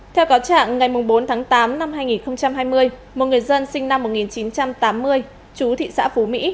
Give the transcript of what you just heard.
theo cáo trạng ngày bốn tháng tám năm hai nghìn hai mươi một người dân sinh năm một nghìn chín trăm tám mươi chú thị xã phú mỹ